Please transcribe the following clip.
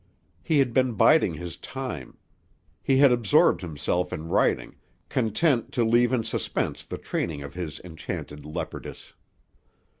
He had been biding his time. He had absorbed himself in writing, content to leave in suspense the training of his enchanted leopardess.